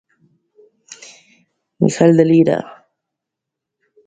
Miguel de Lira.